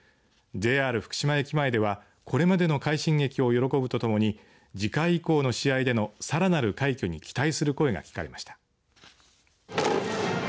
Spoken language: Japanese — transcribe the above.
ＪＲ福島駅前では、これまでの快進撃を喜ぶとともに次回以降の試合でのさらなる快挙に期待する声が聞かれました。